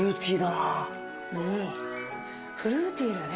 フルーティーだね。